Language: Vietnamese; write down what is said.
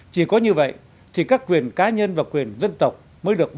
chỉ có như vậy thì các quyền cá nhân và quyền dân tộc mới được bảo vệ